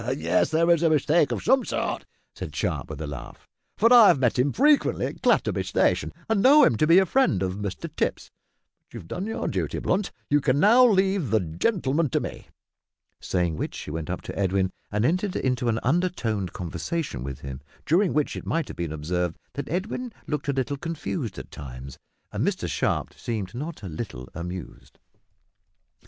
"Yes, there is a mistake of some sort," said Sharp, with a laugh, "for I've met him frequently at Clatterby station, and know him to be a friend of Mr Tipps; but you have done your duty, Blunt, so you can now leave the gentleman to me," saying which he went up to Edwin and entered into an under toned conversation with him, during which it might have been observed that Edwin looked a little confused at times, and Mr Sharp seemed not a little amused.